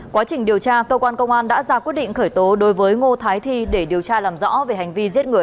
quá trình điều tra cơ quan công an đã ra quyết định khởi tố đối với ngô thái thi để điều tra làm rõ về hành vi giết người